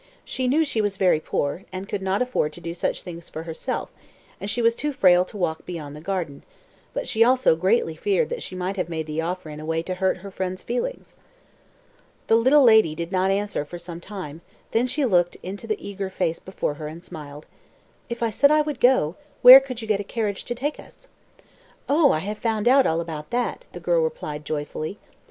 She knew she was very poor, and could not afford to do such things for herself, and she was too frail to walk beyond the garden, but she also greatly feared that she might have made the offer in a way to hurt her friend's feelings. The little lady did not answer for some time, then she looked into the eager face before her and smiled. "If I said I would go, where could you get a carriage to take us?" "Oh, I have found out all about that," the girl replied joyfully.